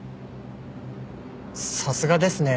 さすがですね